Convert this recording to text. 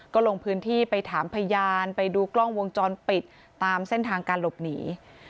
ก็ลงพื้นที่ไปถามพยานไปดูกล้องวงจรปิดตามเส้นทางการหลบหนี